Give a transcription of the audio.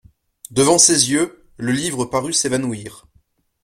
Devant ses yeux, le livre parut s'évanouir.